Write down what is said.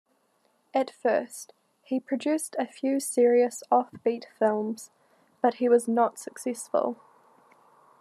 At first, he produced a few serious offbeat films, but he was not successful.